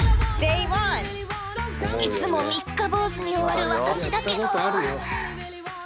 いつも三日坊主に終わる私だけど。